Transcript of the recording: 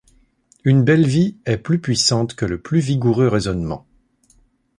Une belle vie est plus puissante que le plus vigoureux raisonnement.